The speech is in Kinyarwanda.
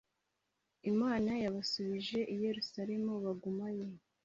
imana yabasubije i yerusalemu bagumayo.